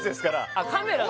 あっカメラだ